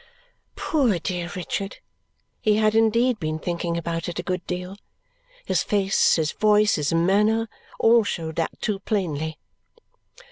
Poor dear Richard! He had indeed been thinking about it a good deal. His face, his voice, his manner, all showed that too plainly.